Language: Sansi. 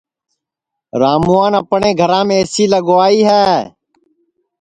راموان اپٹؔے گھرام اے سی لگوائی ہے